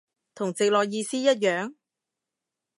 同直落意思一樣？